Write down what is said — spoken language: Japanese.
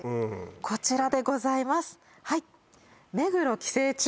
こちらでございます